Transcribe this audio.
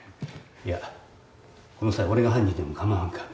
いやこの際俺が犯人でも構わんか。